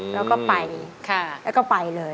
แล้วก็ไปแล้วก็ไปเลย